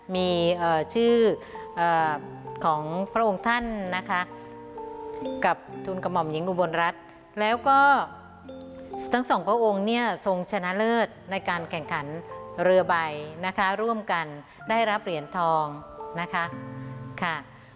มีชื่อของพระองค์ท่านนะคะกับทุนกระหม่อมหญิงอุบลรัฐแล้วก็ทั้งสองพระองค์เนี่ยทรงชนะเลิศในการแข่งขันเรือใบนะคะร่วมกันได้รับเหรียญทองนะคะค่ะ